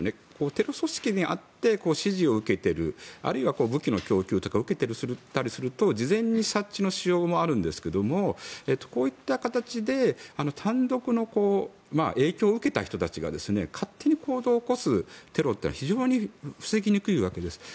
テロ組織にあって指示を受けているあるいは武器の供給とかを受けたりすると事前に察知のしようもあるんですがこういった形で単独の影響を受けた人たちが勝手に行動を起こすテロというのは非常に防ぎにくいわけです。